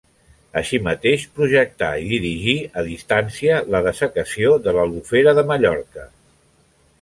Així mateix projectà i dirigí a distància la dessecació de l'Albufera de Mallorca.